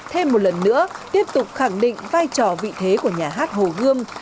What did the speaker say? thêm một lần nữa tiếp tục khẳng định vai trò vị thế của nhà hát hồ gươm